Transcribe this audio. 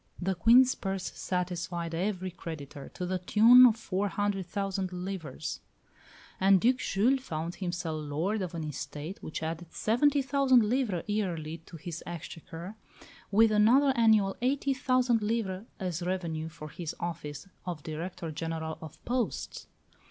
The Queen's purse satisfied every creditor, to the tune of four hundred thousand livres, and Duc Jules found himself lord of an estate which added seventy thousand livres yearly to his exchequer, with another annual eighty thousand livres as revenue for his office of Director General of Posts.